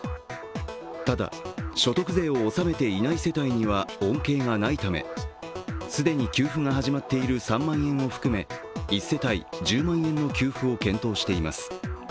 ただ、所得税を納めていない世帯には恩恵がないため既に給付が始まっている３万円を含め１世帯１０万円の給付を検討しています。